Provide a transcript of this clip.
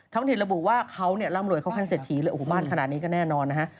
ทั้งธิรบุว่าเขานี่ร่ำรวยเข้าขั้นเสร็จถีบ้านขนาดนี้ก็แน่นอนนะฮะ